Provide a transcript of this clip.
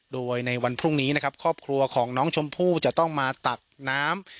โดยในวันพรุ่งนี้นะครับครอบครัวของน้องชมพู่จะต้องมาตักน้ำ